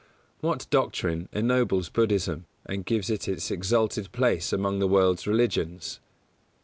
_What doctrine ennobles Buddhism, and gives it its exalted place among the world's religions?